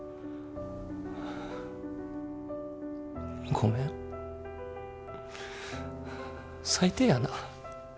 ごめん最低やな。